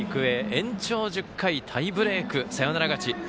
延長１０回タイブレークサヨナラ勝ち。